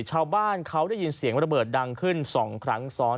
ชาวบ้านเขาได้ยินเสียงระเบิดดังขึ้น๒ครั้งซ้อน